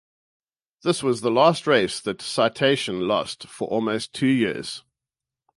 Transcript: This was the last race that Citation lost for almost two years.